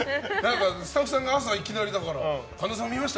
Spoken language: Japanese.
スタッフさんが朝、いきなり神田さん、見ました？